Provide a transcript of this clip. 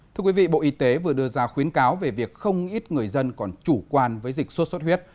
thưa quý vị bộ y tế vừa đưa ra khuyến cáo về việc không ít người dân còn chủ quan với dịch sốt xuất huyết